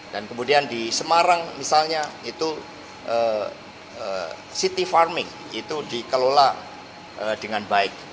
dan kemudian di semarang misalnya itu city farming itu dikelola dengan baik